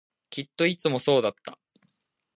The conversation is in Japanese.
きっといつもそうだった